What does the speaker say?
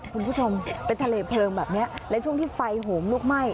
คุณผู้ชมเป็นทะเลเพลิงแบบนี้และช่วงที่ไฟโหมลุกไหม้